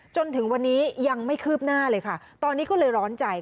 จนถึงวันนี้ยังไม่คืบหน้าเลยค่ะตอนนี้ก็เลยร้อนใจ